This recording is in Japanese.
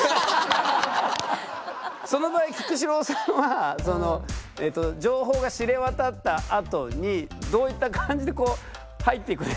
その場合菊紫郎さんは情報が知れ渡ったあとにどういった感じで入っていくんですか。